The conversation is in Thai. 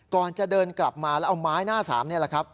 ก่อนจะเดินกลับมาแล้วเอาไม้หน้าสามนี่แหละครับ